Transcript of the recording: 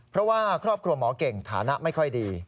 เพราะว่าครอบครัวหมอเก่งฐานะไม่ค่อยดี